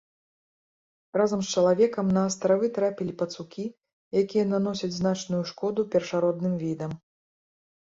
Разам з чалавекам на астравы трапілі пацукі, якія наносяць значную шкоду першародным відам.